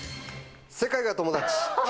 世界が友達。